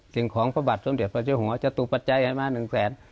สิ่งของพระบาทสมเด็จพระเจ้าหัวจตุปัจจัยให้มา๑แสน